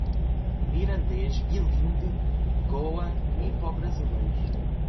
mirandês, bilíngue, Goa, nipo-brasileiros